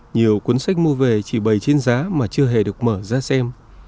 nhiều cuốn sách mua về chỉ bày trên giá mà chưa hề được mở ra xem